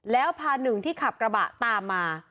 แล้วพาหนึ่งที่ขับกระบะตามมา